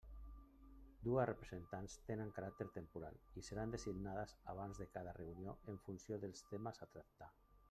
Dues representants tenen caràcter temporal i seran designades abans de cada reunió en funció dels temes a tractar.